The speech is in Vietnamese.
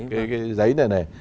cái giấy này này